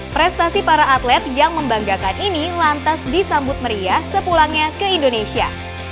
prestasi para atlet yang membanggakan ini lantas disambut meriah sepulangnya ke indonesia